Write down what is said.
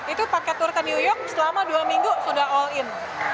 itu paket tur ke new york selama dua minggu sudah all in